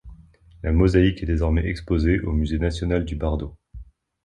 La mosaïque est désormais exposée au musée national du Bardo.